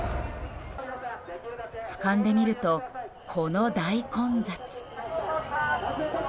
俯瞰で見ると、この大混雑。